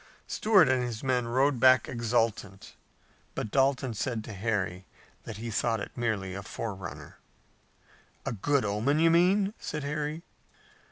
Stuart and his men rode back exultant, but Dalton said to Harry that he thought it merely a forerunner. "A good omen, you mean?" said Harry.